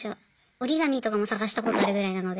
折り紙とかも探したことあるぐらいなので。